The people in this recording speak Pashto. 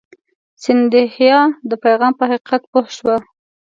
سیندهیا د پیغام په حقیقت پوه شو.